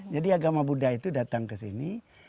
agama buddha itu datang ke sini